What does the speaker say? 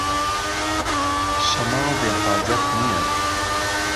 شەماڵ بێحاجەت نییه